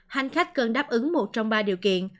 hành khách cần đáp ứng một trong ba điều kiện